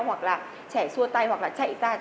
hoặc là trẻ xua tay hoặc là chạy ra chỗ bố mẹ